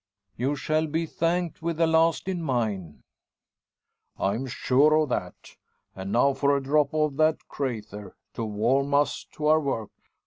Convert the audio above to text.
"You shall be thanked with the last in mine." "I'm sure of that. And now for a drop of the `crayther,' to warm us to our work.